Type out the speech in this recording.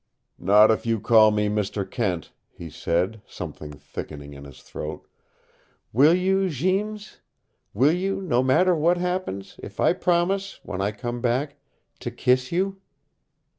"Not if you call me Mr. Kent," he said, something thickening in his throat. "Will you Jeems? Will you no matter what happens if I promise when I come back to kiss you?"